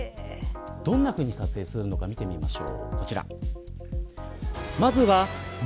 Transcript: どんなふうに撮影するのか見てみましょう。